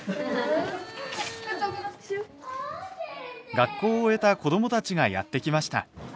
学校を終えた子どもたちがやって来ました。